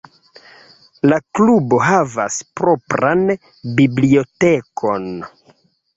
La klubo havas propran bibliotekon.